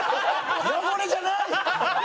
汚れじゃないよ！